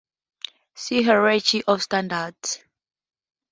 See Hierarchy of Standards.